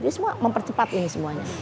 dia semua mempercepat ini semuanya